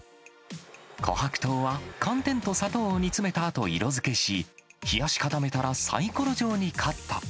こはく糖は寒天と砂糖を煮詰めたあと色づけし、冷やし固めたらさいころ状にカット。